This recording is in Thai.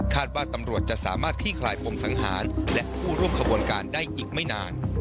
ว่าตำรวจจะสามารถคลี่คลายปมสังหารและผู้ร่วมขบวนการได้อีกไม่นาน